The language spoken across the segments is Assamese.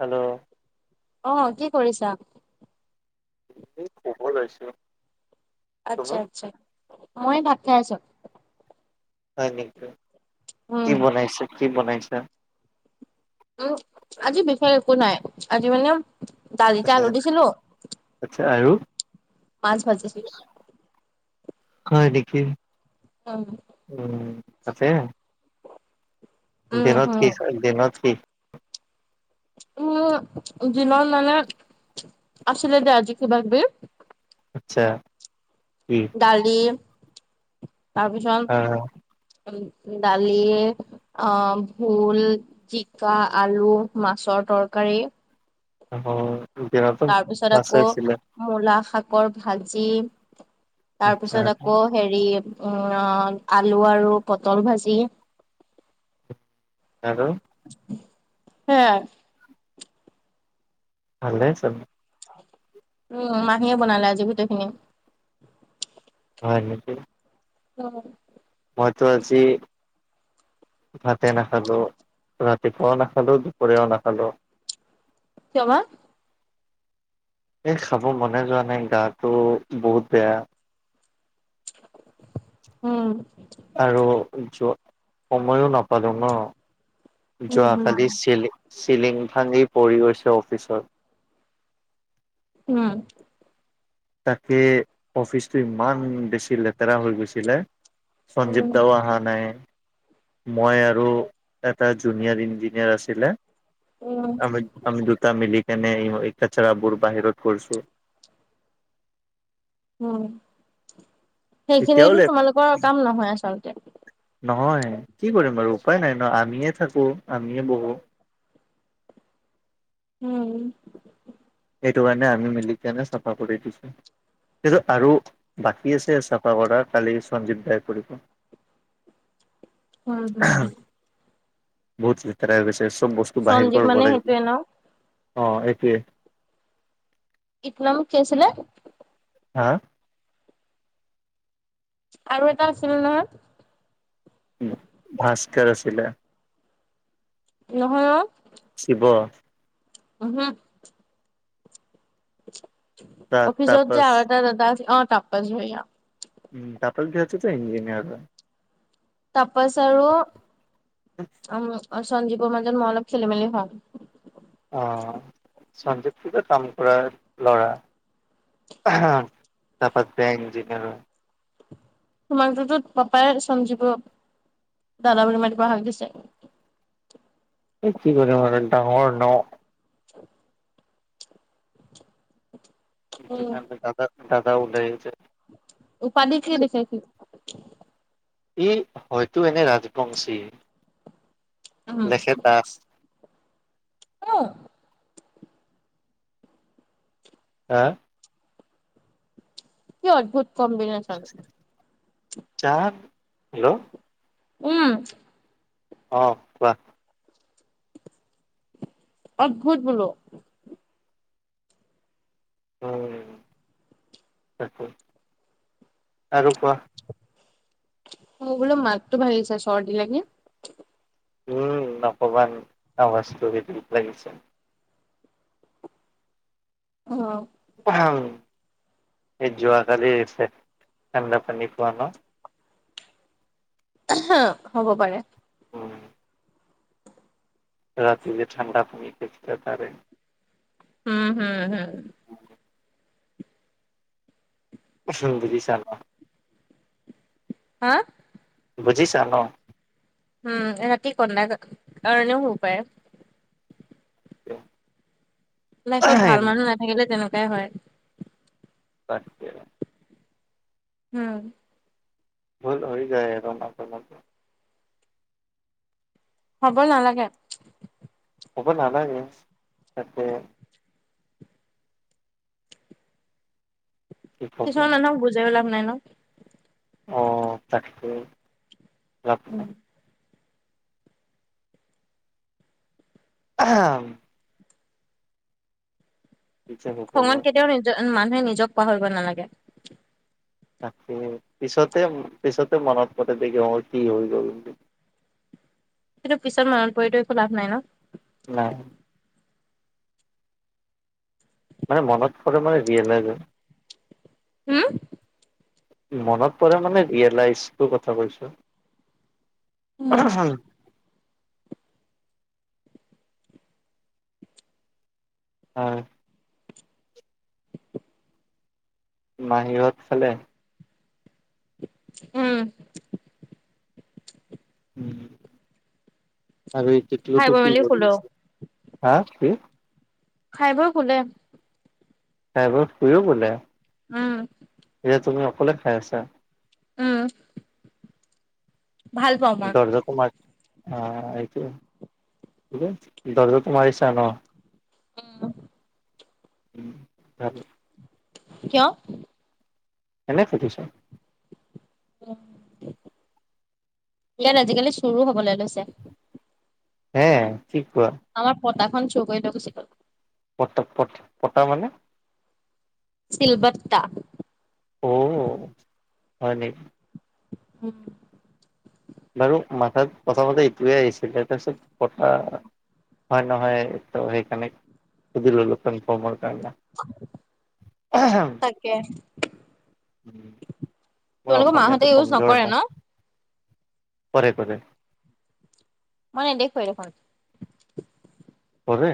হেল্ল' অ' কি কৰিছা? এই শুব লৈছোঁ। আচ্ছা-আচ্ছা, মই ভাত খাই আছো। হয় নেকি, কি উম বনাইছে? কি বনাইছা? তো আজি বিশেষ একো নাই। আজি মানে দালিতে আলু দিছিলোঁ, আচ্ছা আৰু মাছ ভাজিছিলো। হয় নেকি? উম' উম' আছে। উম দিনত হম কি শাক? দিনত কি? উম, দিনত মানে আছিলে দে আজি কিবা কিবি। আচ্ছা। কি? দালি আহ তাৰপিছত দালি। অ' ভোল, জিকা, আলু, মাছৰ তৰকাৰী। অ' দিনতো তাৰপিছত মাছে আকৌ আছিলে। মূলা শাকৰ ভাজি, আচ্ছা তাৰপিছত আকৌ হেৰি উম' আলু আৰু পটল ভাজি। আৰু [unintelligible] সেইয়া ভালে আছে মোৰ। [unintelligible] উম, মাহীয়ে বনালে আজি গোটেইখিনি। হয় নেকি? অ। মইতো আজি ভাতে নাখালোঁ, ৰাতিপুৱাও নাখালোঁ, দুপৰীয়াও নাখালোঁ। কিয় বা? এই খাব মনে যোৱা নাই, গাটো বহুত বেয়া। উম, আৰু জ্বৰ, সময়ো নাপালো ন উম হম যোৱাকালি চেলি চিলিং ভাঙি পৰি গৈছে অফিচত। উম, তাকে অফিচটো ইমান বেছি লেতেৰা হৈ গৈছিলে। উম সঞ্জীৱদাও আহা নাই। মই আৰু এটা জুনিয়ৰ ইঞ্জিনিয়াৰ আছিলে। উম আমি-আমি দুটা মিলকেনে কচৰা বোৰ বাহিৰত কৰছো। উম, এতিয়াও সেইখিনিতো লে তোমালোকৰ কাম নহয় আচলতে। নহয়, কি কৰিম বাৰু উপায় নাই ন আমিয়ে থাকো আমিয়ে বহো। উম, সেইটো কাৰণে আমি মিলিকনে চাফা কৰি দিছো। সেই আৰু বাকী আছে চাফা কৰা কালি সঞ্জীৱ দাই কৰিব। উম-উম। বহুত লেতেৰা হৈ গৈছে, চব বস্তু বাহিৰ সঞ্জীৱ পৰা মানে গ লাগিব। সেইটোৱে ন অ, এইটোৱে। ইত নাম কেছিলছিলে? হা? আৰু এটা আছিলছিল নহয়? ভাস্কৰ আছিলে। নহয় অ, শিৱৰ উম, হুম, তা অফিছত যে তাপস আৰু এটা দাদা আছে টাপ ভৈ [unintelligible] উম, তাপৰ কি ইঞ্জিনিয়াৰৰ। তপাছ আৰু উ সঞ্জীৱৰ মাজত মই অলপ খেলি-মেলি হল। অ, সঞ্জীৱ কাম কৰা ল'ৰা। তাৰপত বেংক ইঞ্জিনিয়াৰ হয়। তোমাকটোতোত পাপাই সঞ্জীৱু দাদা বুলি মাতিব হাক দিছে। এই কি কৰিম আৰু ডাঙৰ ন? [unintelligible] উম এইইটোলাৰবেওদাদা দাদাওলাইছে [unintelligible] উপাধি কি লিখে হি? ই হয়তো এনে ৰাজবংশী, উম, লেখে দাস। উম, হা? কি অদ্ভুত কমবিনেচন। চাৰ হেল্ল', উম, অ', কোৱা অদ্ভুত বোলো। এ, সেইটো, আৰু কোৱা। মোৰ বোলো মাতটো ভাগিছে চৰ্দি লগীত লাগি। উম, নকবা আৱাজটো লাগিছে। উম, সেই যোৱা কালি হৈছে ঠাণ্ডা পানী খোৱা ন? হা হ'ব পাৰে। উম, ৰাতি যে ঠাণ্ডা পানী খাইছিলা তাৰে। উম, হুম-হুম। আছো। বুজিছা ন? হা? বুজিছা ন? উম, ৰাতি কন্দা কাৰণেও হ'ব পাৰে। লাইফত ভাল মানুহ নাথাকিলে তেনেকুৱাই হয়। তাকে। উম। ভুল হৈ যায় আৰু মাজে-মাজে। হ'ব নালাগে। হ'ব নালাগে তাকে, কি ক'ব কিছুমান মানুহক বুজাইও লাভ নাই ন। অ তাকে, উম। নাই। অ। কি যে হ'ব খঙত কেতিয়াও নিজৰ, মানুহে নিজক পাহৰিব নালাগে। তাকে, পিছতে-পিছতে মনত পৰে দেখি অ, কি হৈ গ'ল বুলি। কিন্তু পিছত মনত পৰিটো একো লাভ নাই ন। নাই। মানে মনত পৰে মানে ৰিয়েলাইজ হয়। উম। মনত পৰে মানে ৰিয়েলাইজটো কথা কৈছো। অ'হ মাহীহঁত খালে? উম। উম' আৰু এই খাই তৃতীয়টো বৈ কি মেলি কৰি শুলো। আছে? হা কি? খাই বৈ শুলে। খাই বৈ শুইয়ে গ'লে। উম। এতিয়া তুমি অকলে খাই আছা? উম। ভাল পাওঁ মই। দৰ্জা তোমাৰ অ, এইটো দৰ্জাটো মাৰিচা ন? উম। উম' তাৰপিছত [unintelligible] কিয়? এনে সুধিছোঁ। [unintelligible] অ, ইয়াত আজিকালি চুৰো হ'বলে লৈছে। হে কি কোৱা? আমাৰ পটা খন চোৰ কৰি লৈ গুচি গ'ল। পট-পট, পটা মানে? চিলবটা। অ' হয় নেকি। হুম। বাৰু মাথাত প্ৰথমতে ইটোৱে আহিছিলে, তাৰপিছত পটা- হয় নহয় তো সেইকাৰণে সুধি ললোঁ কনফাৰ্ম কাৰণে। তাকে। মোৰ তোমালোকৰ অসমীয়াটো মাহঁতে ইউজ কমজোৰ নকৰে না। ন? কৰে কৰে। মই নেদেখুৱেই দেখোন। কৰে,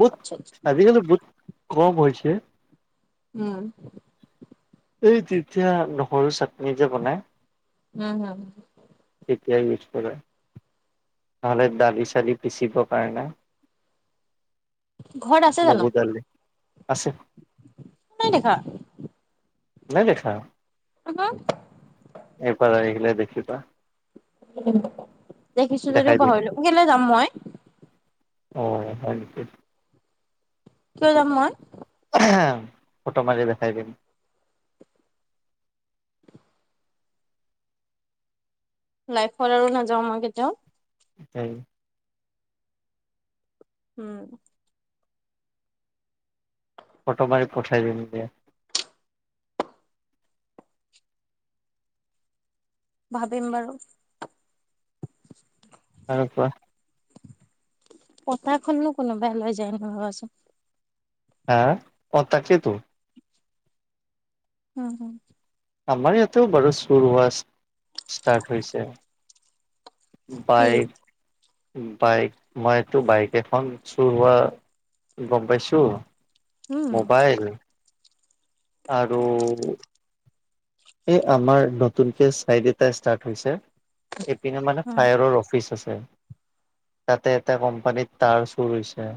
বহুত আজিকালি বহুত কম হৈছে। উম'। এই তেতিয়া নহৰু চাটনি যে বনাই। উম হুম। তেতিয়াই ইউজ কৰে। নহ'লে দালি চালি পিচিবৰ কাৰণে। ঘৰত আছে জানো? মগু দালি আছে নাই দেখা। নাই দেখা? উমহো। একবাৰ আহি গ'লে দেখিবা। উম, দেখিছোঁ দেখাই যদিও দিম পাহৰিলো, কেলে যাম মই? অহ হয় নেকি? কিয় যাম মই? এহ ফটো মাৰি দেখাই দিম। লায়েফত আৰু নাযাওঁ মই কেতিয়াও। সেই উম। ফটো মাৰি পঠাই দিম দিয়া। ভাবিম বাৰু। আৰু কোৱা? কটাই খনো কোনোবাই লৈ যায় ৰবাচোন। হা? অঁ তাকেটো। Home home. আমাৰ ইয়াতেও বাৰু চুৰ হোৱা, ষ্টাৰ্ট হৈছে। কি? বায়েক, বায়েক মইটো বায়েক এখন চুৰ হোৱা গম পাইছোঁ। উম। মোবাইল, আৰু এই আমাৰ নতুনকে চাইড এটা ষ্টাৰ্ট হৈছে। এইপিনে মানে উম। ফায়াৰৰ অফিচ আছে। তাতে এটা কোম্পানীত তাঁৰ চুৰ হৈছে।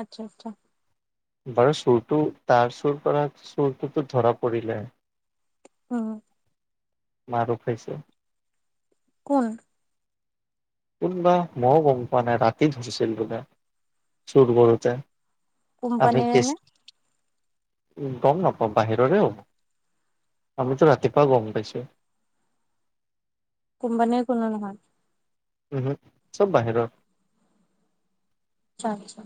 আচ্ছা আচ্ছা। বাৰু চুৰটো তাঁৰ চুৰ কৰা চুৰটোতো ধৰা পৰিলে। উম। মাৰো খাইছে। কোন? কোন বা মও গম পোৱা নাই ৰাতি ধৰিছিল বোলে, চুৰ কৰোঁতে। আমি কোম্পানীৰে কেছ নে? গম নাপাওঁ বাহিৰৰে হ'ব। আমিতো ৰাতিপুৱা গম পাইছোঁ। কোম্পানীৰ কোনো নহয়? উমহ, চব বাহিৰৰ। আচ্ছা আচ্ছা।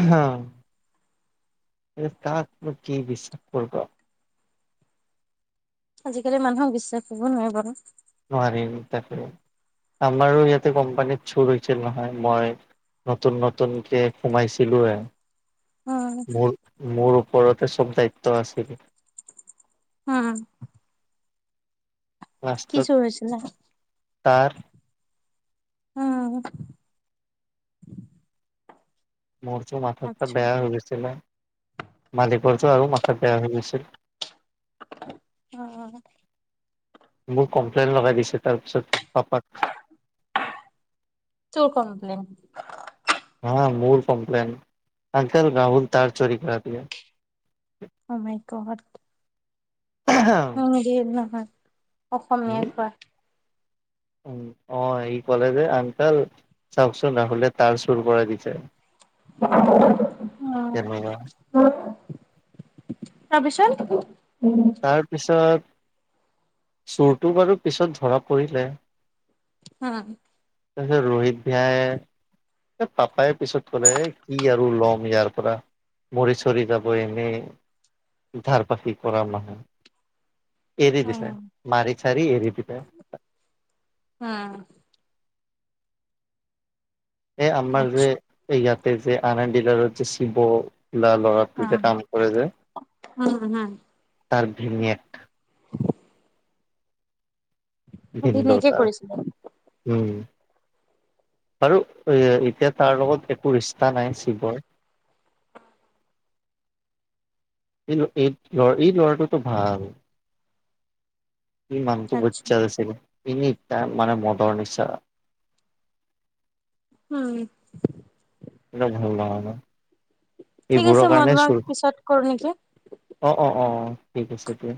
আহা, এ কাকনো কি বিশ্বাস কৰিব। আজিকালি মানুহক বিশ্বাস কৰিব নোৱাৰি বাৰু। নোৱাৰিম তাকে, আমাৰো ইয়াতে কোম্পানীত চুৰ হৈছিল নহয়, মই নতুন নতুনকে সোমাইছিলো হে। উম মোৰ মোৰ ওপৰতে চব দায়িত্ব আছিল। উম উম। কি লাষ্টত চুৰ হৈছিলে? তাৰ উম। মোৰটো মাথা চাথা আচ্ছা বেয়া হৈ গৈছিলে। মালিকৰ টো আৰু মাথা বেয়া হৈ গৈছিল। অঁ। মোক কমপ্লেন লগাই দিছে তাৰপিছত পাপাক। তোৰ কমপ্লেন। আহা মোৰ কম্প্লেন অংকল ৰাহুল তাৰ চৰি কৰ দিয়া। অ, মাই গড। [unintelligible] মিৰিৰ নহয় অসমীয়াৰ পা। উম, অ, এই ক'লে যে আনকাল চাওকচোন ৰাহুলে তাৰ চুৰ কৰাই দিছে। তেনেকুৱা [unintelligible] অ, [unintelligible] তাপিছত? তাৰপিছত চোৰটো বাৰু পিছত ধৰা পৰিলে। হা। তাৰপিছত ৰোহিত ভিয়ায়ে এ পাপায় পিছত ক'লে কি আৰু ল'ম ইয়াৰ পৰা। মৰি চৰি যাব এনেই ধাৰপাতি কৰা নহয়। এৰি দিছে উম মাৰি চাৰি এৰি দিলে। হা এ আমাৰ যে আচ্ছা এই ইয়াতে যে আনন দিলাৰিত যে শিৱ ল- ল'ৰা টোজে উম কাম কৰে যে উম উম তাৰ ভিনিয়েক। ভিনদউ ধুনীয়াকে তাৰ। কৰিছিলে উম, আৰু ইয়ে এতিয়া তাৰ লগত একো ৰিছ টা নাইন শিবৰ। কিন্তু এইত-এই ল'ৰাটোতো ভাল। উম, মানুহটো আচ্ছা বইজাত আছে গে এনি টাইম মানে মদৰ নিচা! ! ! হম, এনেও ভাল নহয় ন? ঠিক আছে এইবোৰৰ মই কাৰণে তোমাক চুৰ পিছত কৰো নেকি? অ', অ', অ', অ', ঠিক আছে দিয়া।